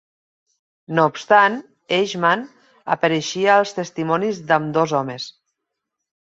No obstant, Eichmann apareixia als testimonis d'ambdós homes.